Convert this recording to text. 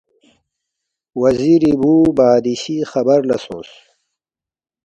وزیری بُو بادشی خبر لہ سونگس